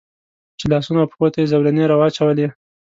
چې لاسونو او پښو ته یې زولنې را واچولې.